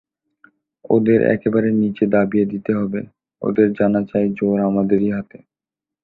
ওদের একেবারে নীচে দাবিয়ে দিতে হবে, ওদের জানা চাই জোর আমাদেরই হাতে।